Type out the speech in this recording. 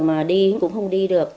mà đi cũng không đi được